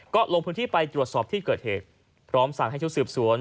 ก็ลงพื้นที่ไปตรวจสอบที่เกิดเหตุพร้อมสั่งให้ชุดสืบสวน